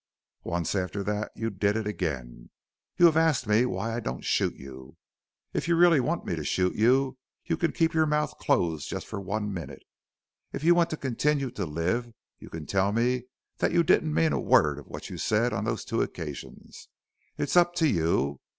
Once after that you did it again. You have asked me why I don't shoot you. If you really want me to shoot you you can keep your mouth closed for just one minute. If you want to continue to live you can tell me that you didn't mean a word of what you said on those two occasions. It's up to you."